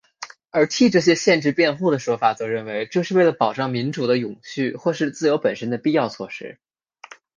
而替这些限制辩护的说法则认为这是为了保障民主的永续或是自由本身的必要措施。